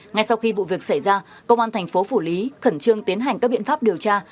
ngay sau khi vụ việc xảy ra công an thành phố phủ lý khẩn trương tiến hành các biện pháp điều tra